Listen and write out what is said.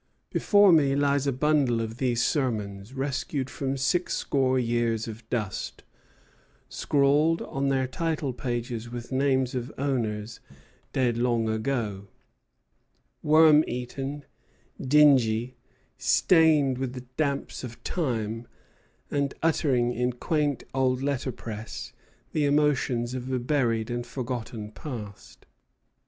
Before me lies a bundle of these sermons, rescued from sixscore years of dust, scrawled on their title pages with names of owners dead long ago, worm eaten, dingy, stained with the damps of time, and uttering in quaint old letterpress the emotions of a buried and forgotten past.